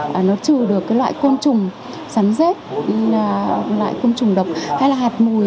và nó trừ được cái loại côn trùng sắn rết loại côn trùng độc hay là hạt mùi